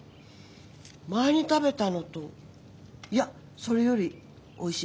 前に食べたのといやそれよりおいしい気がする。